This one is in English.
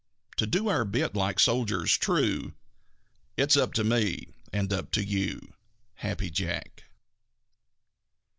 To do our bit like soldiers true It's up to me and up to you. _Happy Jack.